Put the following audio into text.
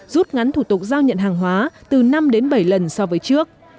rút ngắn thủ tục giao nhận hàng hóa từ năm đến bảy lần so với trước